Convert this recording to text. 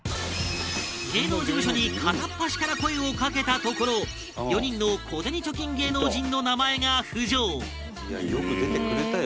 芸能事務所に片っ端から声を掛けたところ４人の小銭貯金芸能人の名前が浮上伊達：よく出てくれたよ